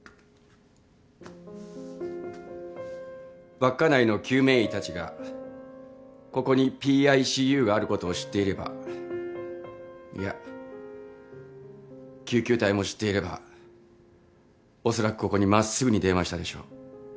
稚内の救命医たちがここにＰＩＣＵがあることを知っていればいや救急隊も知っていればおそらくここに真っすぐに電話したでしょう。